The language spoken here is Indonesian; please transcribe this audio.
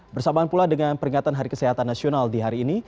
bersamaan pula dengan peringatan hari kesehatan nasional di hari ini